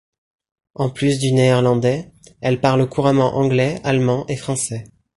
En plus du néerlandais, elle parle couramment anglais, allemand et français.